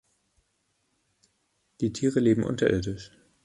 Die Tiere leben unterirdisch.